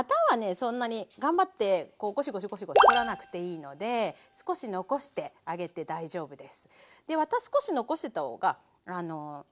そんなに頑張ってゴシゴシゴシゴシ取らなくていいので少し残してあげて大丈夫です。